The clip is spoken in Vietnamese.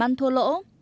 làm ăn thua lỗ